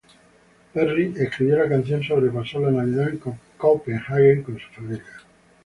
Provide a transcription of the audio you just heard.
Perry escribió la canción sobre pasar la Navidad en Copenhague con su familia.